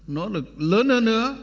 nỗ lực lớn hơn nữa